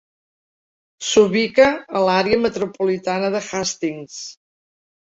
S'ubica a l'àrea metropolitana de Hastings.